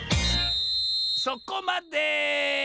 そこまで！